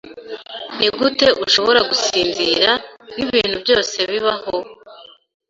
Nigute ushobora gusinzira nibintu byose bibaho?